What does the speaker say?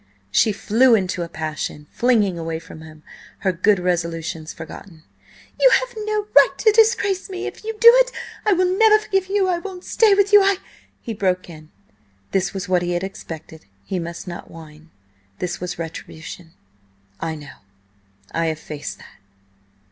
She flew into a passion, flinging away from him, her good resolutions forgotten. "You have no right to disgrace me! If you do it, I will never forgive you! I won't stay with you–I—" He broke in–this was what he had expected; he must not whine; this was retribution. "I know. I have faced that."